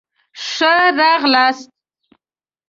ښه راغلاست